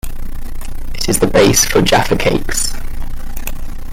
It is the base for Jaffa Cakes.